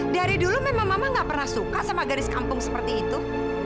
dari dulu memang mama nggak pernah suka sama garis kampung seperti itu